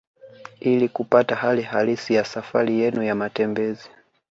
Ili kupata hali halisi ya safari yenu ya matembezi